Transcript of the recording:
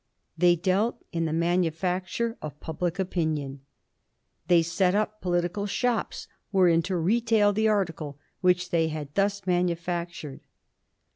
They dealt in the manufacture of public opinion. They set up political shops wherein to retail the article which they had thus manufactured.